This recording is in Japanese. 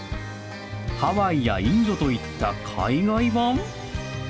ハワイやインドといった海外版？